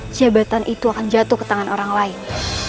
jabatan itu akan jatuh ke tangan orang lain